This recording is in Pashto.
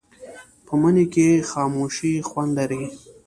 په مني کې خاموشي خوند لري